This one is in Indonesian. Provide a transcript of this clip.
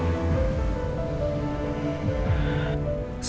semuanya udah jelas